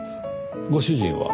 ご主人は？